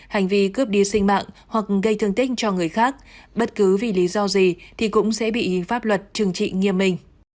hành vi cướp đi sinh mạng hoặc gây thương tích cho người khác bất cứ vì lý do gì thì cũng sẽ bị pháp luật trừng trị nghiêm minh